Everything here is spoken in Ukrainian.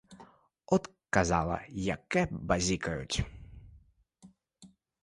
От, казала, яке базікають.